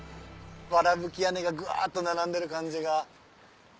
わらぶき屋根がぐわっと並んでる感じが。